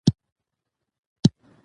کومې ټولنې تر ټولو زیاتې بېوزله دي؟